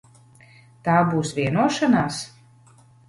Tā būs vienošanās?